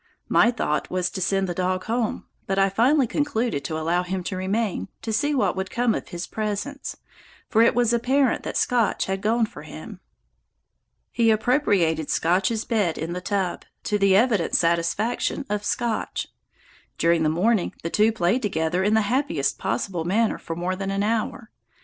My first thought was to send the dog home, but I finally concluded to allow him to remain, to see what would come of his presence, for it was apparent that Scotch had gone for him. He appropriated Scotch's bed in the tub, to the evident satisfaction of Scotch. During the morning the two played together in the happiest possible manner for more than an hour.